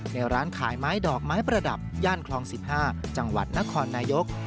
ในร้านขายไม้ดอกไม้ประดับย่านคลอง๑๕จังหวัดนครนายก